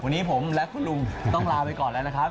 วันนี้ผมและคุณลุงต้องลาไปก่อนแล้วนะครับ